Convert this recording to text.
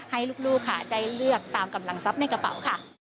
ให้ลูกค่ะได้เลือกตามกำลังทรัพย์ในกระเป๋าค่ะ